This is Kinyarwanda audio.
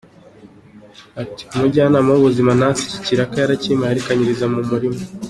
Ati “Umujyanama w’ubuzima natse iki ikiraka yarakimpaye, ariko anyiriza mu murima.